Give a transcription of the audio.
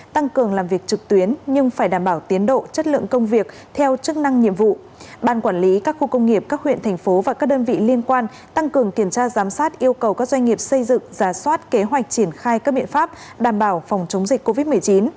tăng cường kiểm tra giám sát yêu cầu các doanh nghiệp xây dựng giả soát kế hoạch triển khai các biện pháp đảm bảo phòng chống dịch covid một mươi chín